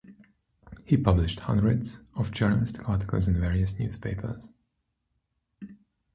He published hundreds of journalistic articles in various newspapers.